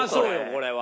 これは。